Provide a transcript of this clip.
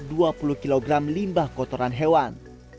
di sekitar dua puluh kilogram limbah kotoran hewan